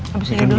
habis ini dulu